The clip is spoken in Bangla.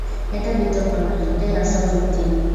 এটা বিতর্ক নয়, এটাই আসল যুক্তি।